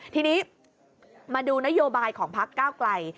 ทีนี้มาดูนโยบายของพักก้าวไกล